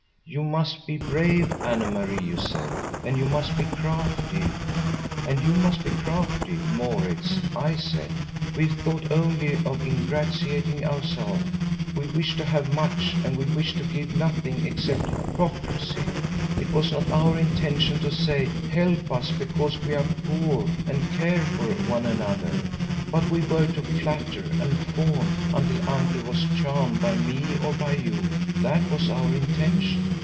'You must be brave, Anne Marie,' you said. 'And you must be crafty, Maurits,' I said. We thought only of ingratiating ourselves. We wished to have much and we wished to give nothing except hypocrisy. It was not our intention to say: 'Help us, because we are poor and care for one another,' but we were to flatter and fawn until Uncle was charmed by me or by you; that was our intention.